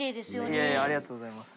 榲筿任垢ありがとうございます。